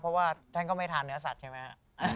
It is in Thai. เพราะว่าท่านก็ไม่ทานเนื้อสัตว์ใช่ไหมครับ